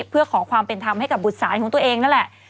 เพื่อขอความเป็นธรรมให้กับบุตรสายของตัวเองนั่นแหละ